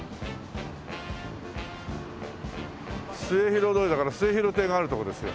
末広通りだから末廣亭があるとこですよ